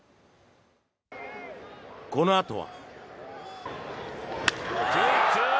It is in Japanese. このあとは。